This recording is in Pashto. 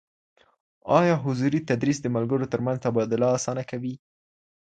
ايا حضوري تدريس د ملګرو ترمنځ تبادله اسانه کوي؟